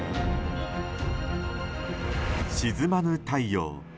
沈まぬ太陽。